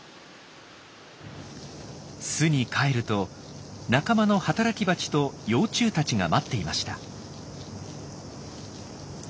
巣に帰ると仲間の働きバチと幼虫たちが待っていました。